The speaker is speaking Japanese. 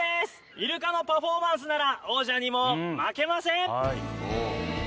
イルカのパフォーマンスなら王者にも負けません。